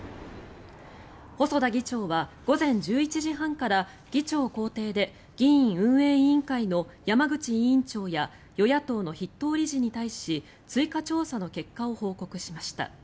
細田議長は午前１１時から議長公邸で議院運営委員会の山口委員長や与野党の筆頭理事に対し追加調査の結果を報告しました。